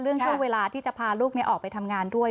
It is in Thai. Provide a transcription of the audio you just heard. ช่วงเวลาที่จะพาลูกออกไปทำงานด้วย